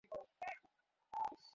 তারপর বলে, যেসব মজার কান্ড গাঁয়ে।